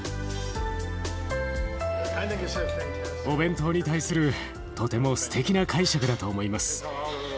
お弁当に対するとてもすてきな解釈だと思います。